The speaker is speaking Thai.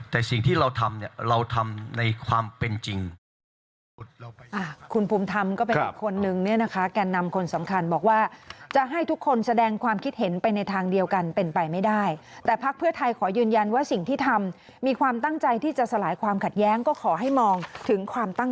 แต่สิ่งที่เราทำเนี่ยเราทำในความเป็นจริง